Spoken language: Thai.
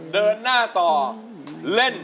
เดินหน้าต่อเล่น